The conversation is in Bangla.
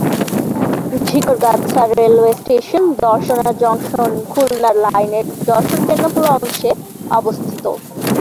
ঝিকরগাছা রেলওয়ে স্টেশন দর্শনা জংশন-খুলনা লাইনের যশোর-বেনাপোল অংশে অবস্থিত।